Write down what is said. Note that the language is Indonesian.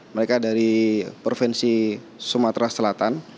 mereka dari provinsi sumatera selatan